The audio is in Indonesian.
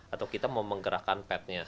atau kita mau menggerakkan pet nya